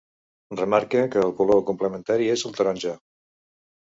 Remarque que el color complementari és el taronja.